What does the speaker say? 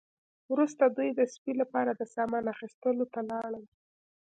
وروسته دوی د سپي لپاره د سامان اخیستلو ته لاړل